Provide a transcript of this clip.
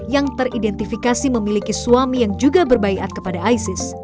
yang teridentifikasi memiliki suami yang juga berbaikat kepada isis